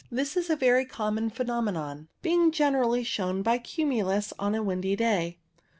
This is a very common phenomenon, being generally shown by cumulus on a windy day.